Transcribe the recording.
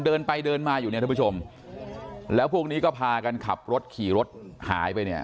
เดินไปเดินมาอยู่เนี่ยท่านผู้ชมแล้วพวกนี้ก็พากันขับรถขี่รถหายไปเนี่ย